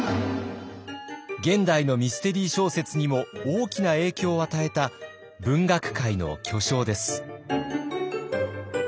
現代のミステリー小説にも大きな影響を与えた文学界の巨匠です。